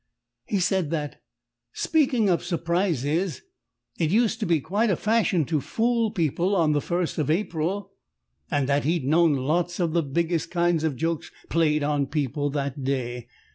He said that, speaking of surprises, it used to be quite a fashion to fool people on the first of April, and that he'd known lots of the biggest kind of jokes played on people that day.